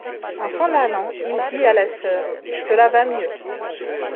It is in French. En s'en allant, il dit à la soeur : Cela va mieux.